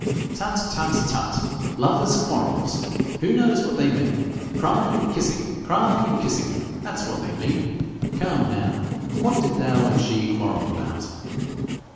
'Tut, tut, tut! Lovers' quarrels! Who knows not what they mean? Crying and kissing crying and kissing that's what they mean. Come now what did thou and she quarrel about?'